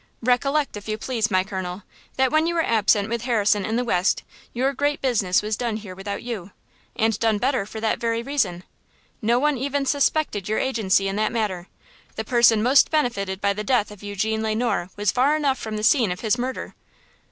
Recollect, if you please, my colonel, that when you were absent with Harrison in the West your great business was done here without you! And done better for that very reason! No one even suspected your agency in that matter. The person most benefited by the death of Eugene Le Noir was far enough from the scene of his murder."